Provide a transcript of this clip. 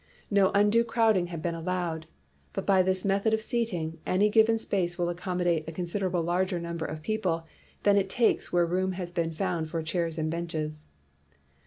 No undue crowd ing had been allowed ; but by this method of seating, any given space will accommodate a considerably larger number of people than it takes where room has to be found for chairs or benches.